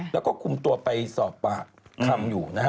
แล้วก็คุมตัวไปสอบปากคำอยู่นะฮะ